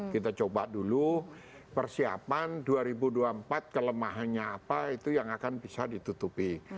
kita coba dulu persiapan dua ribu dua puluh empat kelemahannya apa itu yang akan bisa ditutupi